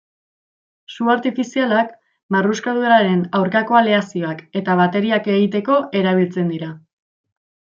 Su artifizialak, marruskaduraren aurkako aleazioak eta bateriak egiteko erabiltzen da.